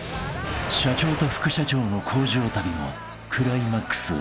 ［社長と副社長の向上旅もクライマックスへ］